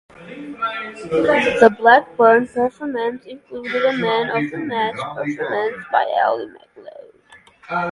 The Blackburn performance included a man of the match performance by Ally MacLeod.